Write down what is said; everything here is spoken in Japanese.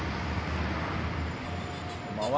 こんばんは。